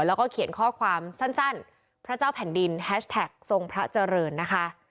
แล้วก็เขียนข้อความสั้นพระเจ้าแผ่นดินแฮชแท็กทรงพระเจริญนะคะ